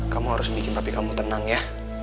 kamu harus bikin tapi kamu tenang ya